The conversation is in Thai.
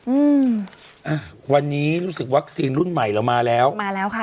อืมอ่ะวันนี้รู้สึกวัคซีนรุ่นใหม่เรามาแล้วมาแล้วค่ะ